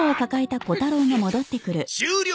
終了！